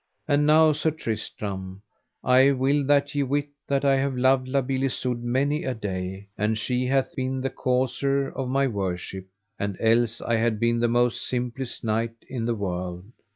And now, Sir Tristram, I will that ye wit that I have loved La Beale Isoud many a day, and she hath been the causer of my worship, and else I had been the most simplest knight in the world.